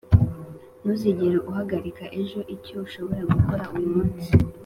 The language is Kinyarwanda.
ntuzigere uhagarika ejo icyo ushobora gukora uyu munsi